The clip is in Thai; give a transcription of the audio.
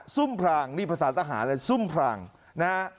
ุ่มพรางนี่ภาษาทหารเลยซุ่มพรางนะฮะ